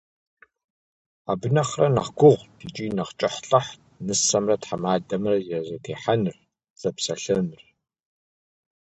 Абы нэхърэ нэхъ гугъут икӏи нэхъ кӏыхьлӏыхьт нысэмрэ тхьэмадэмрэ я зэтехьэныр, зэпсэлъэныр.